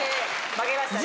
負けましたね。